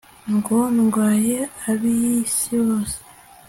ngo ndwanye abiyisi bose